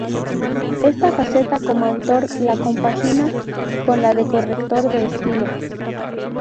Esta faceta como autor la compagina con la de corrector de estilo.